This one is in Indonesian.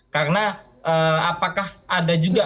karena apakah ada juga